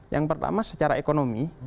yang pertama secara ekonomi